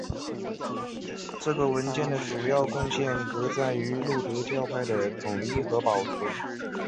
这个文件的主要贡献革在于路德教派的统一和保存。